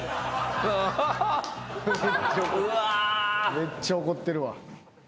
めっちゃ怒ってるわ。